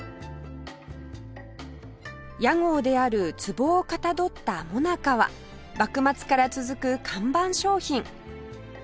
屋号である壺をかたどった最中は幕末から続く看板商品